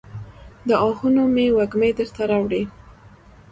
د آهونو مې وږمې درته راوړي